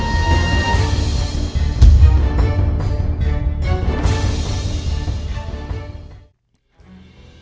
มค